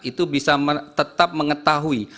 itu bisa tetap mengetahui